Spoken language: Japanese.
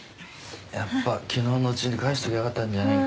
やっぱ昨日のうちに帰しときゃよかったんじゃねえか。